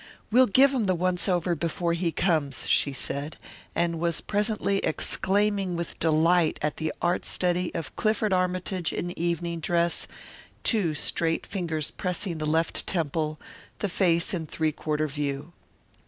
"We'll give 'em the once over before he comes," she said, and was presently exclaiming with delight at the art study of Clifford Armytage in evening dress, two straight fingers pressing the left temple, the face in three quarter view.